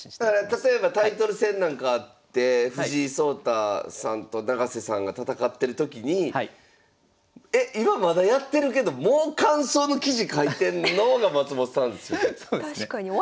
例えばタイトル戦なんかあって藤井聡太さんと永瀬さんが戦ってる時にえっ今まだやってるけどもう感想の記事書いてんの？が松本さんですよ。